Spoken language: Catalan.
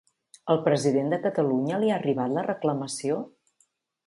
Al president de Catalunya li ha arribat la reclamació?